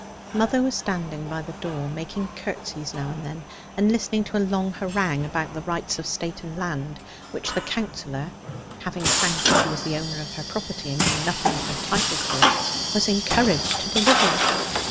Mother was standing by the door, making curtseys now and then, and listening to a long harangue upon the rights of state and land, which the Counsellor (having found that she was the owner of her property, and knew nothing of her title to it) was encouraged to deliver it.